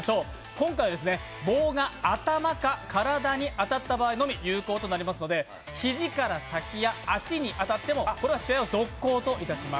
今回は、棒が頭か体に当たった場合のみ有効となりますので、膝から先や足に当たっても試合を続行といたします。